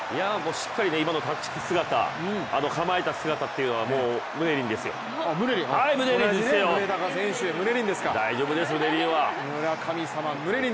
しっかり今の立ち姿、あの構えた姿というのは村上宗隆、ムネリンですか。